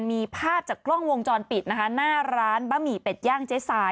มีภาพจากกล้องวงจรปิดนะคะหน้าร้านบะหมี่เป็ดย่างเจ๊สาย